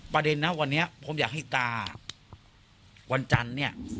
ประเด็นนะวันนี้ผมอยากให้ตาวันจันทร์เนี่ย